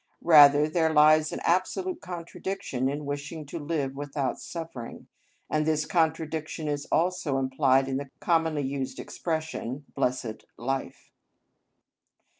Rather, there lies an absolute contradiction in wishing to live without suffering, and this contradiction is also implied in the commonly used expression, "blessed life."